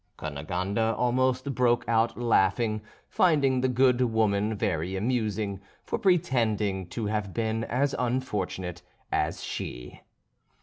Cunegonde almost broke out laughing, finding the good woman very amusing, for pretending to have been as unfortunate as she.